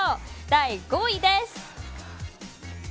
第５位です。